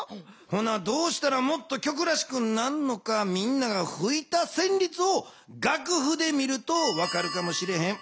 ほなどうしたらもっと曲らしくなるのかみんながふいたせんりつをがくふで見ると分かるかもしれへん。